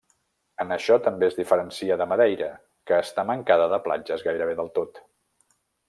En això també es diferencia de Madeira, que està mancada de platges gairebé del tot.